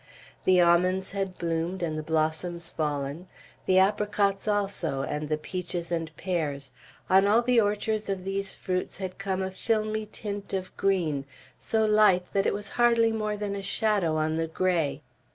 The almonds had bloomed and the blossoms fallen; the apricots also, and the peaches and pears; on all the orchards of these fruits had come a filmy tint of green, so light it was hardly more than a shadow on the gray.